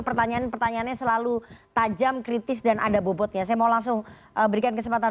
pertanyaan pertanyaannya selalu tajam kritis dan ada bobotnya saya mau langsung berikan kesempatan